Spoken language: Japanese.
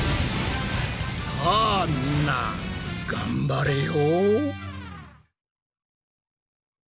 さあみんな頑張れよ。